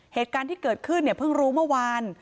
เหตุการณ์ที่เกิดขึ้นเนี่ยเพิ่งรู้เมื่อวาน